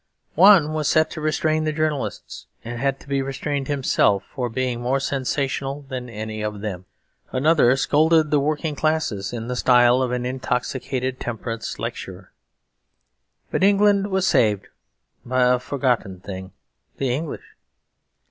One was set to restrain the journalists, and had to be restrained himself, for being more sensational than any of them. Another scolded the working classes in the style of an intoxicated temperance lecturer. But England was saved by a forgotten thing the English.